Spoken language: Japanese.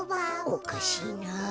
おかしいなあ。